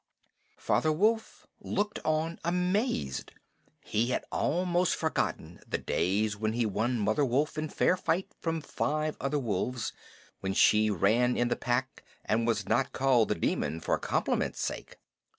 Father Wolf looked on amazed. He had almost forgotten the days when he won Mother Wolf in fair fight from five other wolves, when she ran in the Pack and was not called The Demon for compliment's sake.